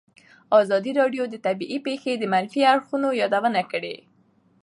ازادي راډیو د طبیعي پېښې د منفي اړخونو یادونه کړې.